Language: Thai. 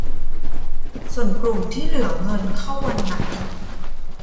ส่วนกลุ่มที่เหลือเงินเข้าวันไหน